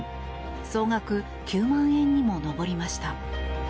総額９万円にも上りました。